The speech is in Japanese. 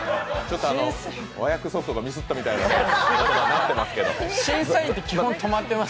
和訳速度ミスったみたいな感じになってますけど。